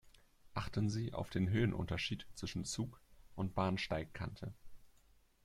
Achten Sie auf den Höhenunterschied zwischen Zug und Bahnsteigkante.